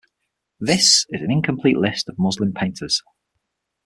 This is an incomplete list of Muslim painters.